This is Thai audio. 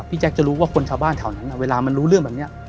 แจ๊คจะรู้ว่าคนชาวบ้านแถวนั้นเวลามันรู้เรื่องแบบนี้